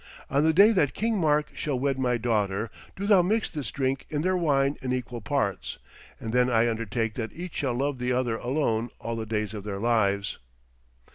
On the day that King Mark shall wed my daughter, do thou mix this drink in their wine in equal parts, and then I undertake that each shall love the other alone all the days of their lives.'